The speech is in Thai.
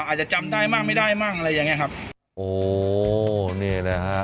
อาจจะจำได้มั่งไม่ได้มั่งอะไรอย่างเงี้ยครับโอ้นี่แหละฮะ